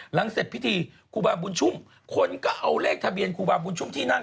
หลังเสร็จพิธีครูบาบุญชุ่มคนก็เอาเลขทะเบียนครูบาบุญชุ่มที่นั่ง